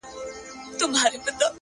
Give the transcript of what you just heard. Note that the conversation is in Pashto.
o ټول بکواسیات دي؛